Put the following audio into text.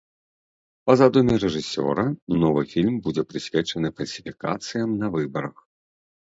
Па задуме рэжысёра, новы фільм будзе прысвечаны фальсіфікацыям на выбарах.